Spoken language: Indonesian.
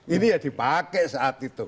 ini ya dipakai saat itu